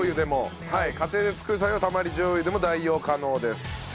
家庭で作る際はたまりしょう油でも代用可能です。